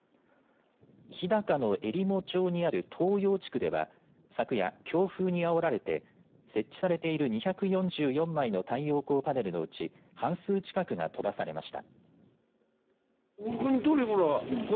日高のえりも町にある東洋地区では昨夜、強風にあおられて設置されている２４４枚の太陽光パネルのうち半数近くが飛ばされました。